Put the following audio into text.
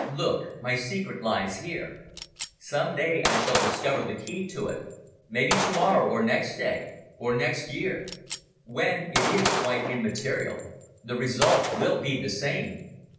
"Look! My secret lies here. Some day I shall discover the key to it maybe to morrow or next day, or next year. When, it is quite immaterial. The result will be the same.